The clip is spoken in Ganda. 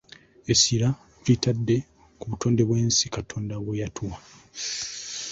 Essira tulitadde ku butonde bw’ensi Katonda bwe yatuwa.